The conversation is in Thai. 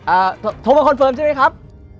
โทรมาคอนเฟิร์มใช่ไหมครับ